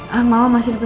hanya masih lemas